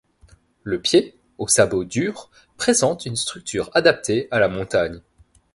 Le pied, aux sabots durs, présente une structure adaptée à la montagne.